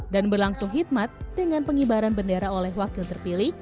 dan berlangsung hikmat dengan pengibaran bendera oleh wakil terpilih